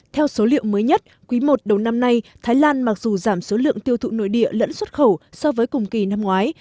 theo số liệu mới nhất quý i đầu năm nay thái lan mặc dù giảm số lượng tiêu thụ nội địa lẫn xuất khẩu so với cùng kỳ năm ngoái